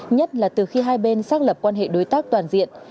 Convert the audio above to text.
nhất là từ khi hai bên xác lập quan hệ đối tác toàn diện